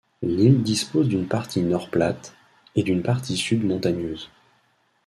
L'île dispose d'une partie nord plate, et d'une partie sud montagneuse.